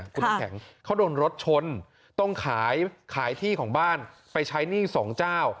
คุณน้ำแข็งเขาโดนรถชนต้องขายขายที่ของบ้านไปใช้หนี้สองเจ้า